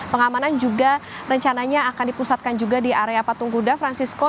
pengamanan juga rencananya akan dipusatkan juga di area patung kuda francisco